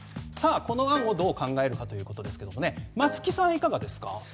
この案をどう考えるかということですが松木さん、いかがですか？